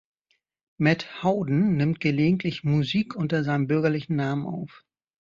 Matt Howden nimmt gelegentlich Musik unter seinem bürgerlichen Namen auf.